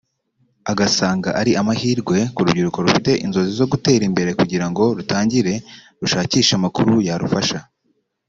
Agasanga ari amahirwe ku rubyiruko rufite inzozi zo gutera imbere kugira ngo rutangire rushakishe amakuru yarufasha